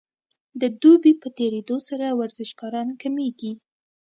د دوبي په تیریدو سره ورزشکاران کمیږي